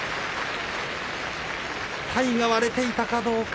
体が割れていたかどうか。